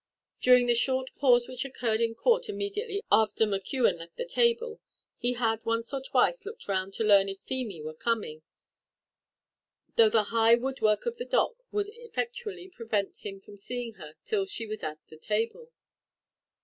During the short pause which occurred in court immediately after McKeon left the table, he had once or twice looked round to learn if Feemy were coming, though the high woodwork of the dock would effectually prevent him from seeing her till she was at the table.